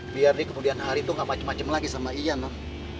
biar dia kemudian hari itu gak macem macem lagi sama iyan non